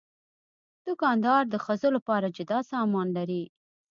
دوکاندار د ښځو لپاره جدا سامان لري.